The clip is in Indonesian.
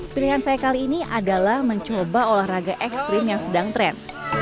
pilihan saya kali ini adalah mencoba olahraga ekstrim yang sedang tren